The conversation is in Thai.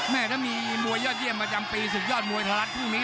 ถ้ามีมวยยอดเยี่ยมประจำปีศึกยอดมวยไทยรัฐพรุ่งนี้